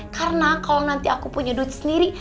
karena kalau nanti aku punya duit sendiri